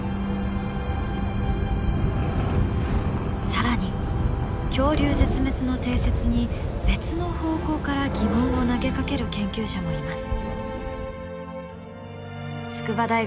更に恐竜絶滅の定説に別の方向から疑問を投げかける研究者もいます。